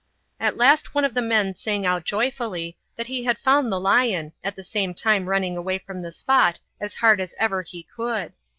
At last one of the men sang out joyfully that he had found the lion at the same time running away from the spot as hard as ever he could.